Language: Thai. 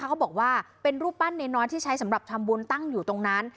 เขาบอกว่าเป็นรูปปั้นเนน้อยที่ใช้สำหรับทำบุญตั้งอยู่ตรงนั้น